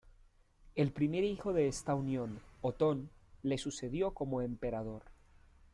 El primer hijo de esta unión, Otón, le sucedió como emperador.